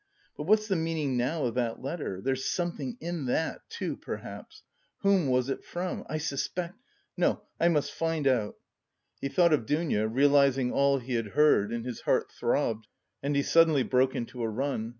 But what's the meaning now of that letter? There's something in that, too, perhaps. Whom was it from? I suspect...! No, I must find out!" He thought of Dounia, realising all he had heard and his heart throbbed, and he suddenly broke into a run.